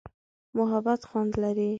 محبت خوند لري.